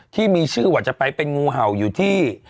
ที่มีชื่อว่าจะไปเป็นงูเห่าอยู่ที่